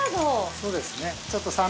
そうですね。